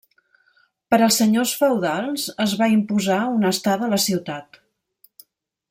Per als senyors feudals es va imposar una estada a la ciutat.